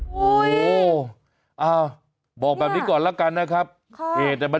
โอ้โหอ้าวบอกแบบนี้ก่อนแล้วกันนะครับค่ะ